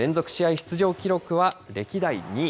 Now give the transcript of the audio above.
出場記録は歴代２位。